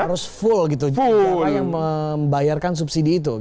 harus full gitu juga yang membayarkan subsidi itu